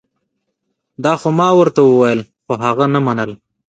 دا خو ما ورته وویل خو هغه نه منل